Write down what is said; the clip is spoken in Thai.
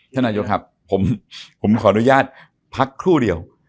ท่านนายกครับผมขออนุญาตพักครู่เดียว